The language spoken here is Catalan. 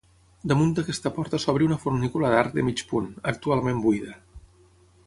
Damunt d'aquesta porta s'obre una fornícula d'arc de mig punt, actualment buida.